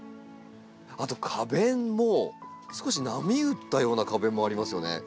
あと花弁も少し波打ったような花弁もありますよねこちら。